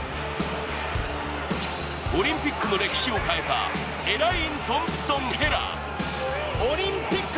オリンピックの歴史を変えた、エライン・トンプソン・ヘラ。